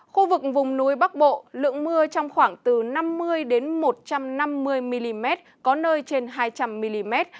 khu vực vùng núi bắc bộ lượng mưa trong khoảng từ năm mươi một trăm năm mươi mm có nơi trên hai trăm linh mm